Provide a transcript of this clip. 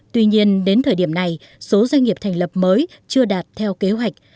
tuy nhiên đến thời điểm này số doanh nghiệp thành lập mới chưa đạt theo kế hoạch